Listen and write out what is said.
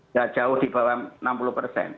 tidak jauh di bawah enam puluh persen